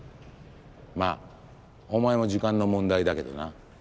まあお前も時間の問題だけどな。